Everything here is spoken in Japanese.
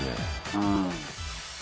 うん。